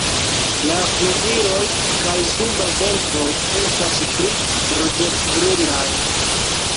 La flugiloj kaj suba ventro estas pli ruĝecbrunaj.